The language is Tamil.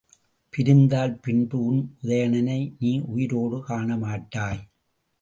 பிரிந்தால் பின்பு உன் உதயணனை நீ உயிரோடு காணமாட்டாய்!